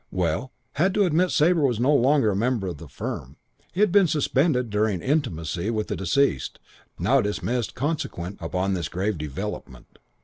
Well, had to admit Sabre was no longer a member of the firm. Had been suspended during intimacy with the deceased, now dismissed consequent upon this grave development.